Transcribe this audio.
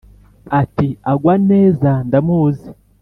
ati"agwa neza ndamuzi r